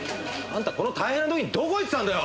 あんたこの大変な時にどこ行ってたんだよ！？